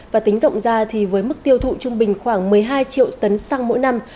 và tính rộng ra thì với mức tiêu thụ trung bình khoảng một mươi hai triệu tấn xăng mỗi năm